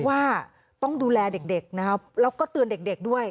ว่าต้องดูแลเด็กแล้วก็เตือนเต็ดคด้วย